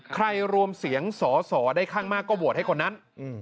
รวมเสียงสอสอได้ข้างมากก็โหวตให้คนนั้น